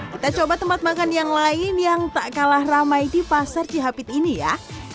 kita coba tempat makan yang lain yang tak kalah ramai di pasar cihapit ini ya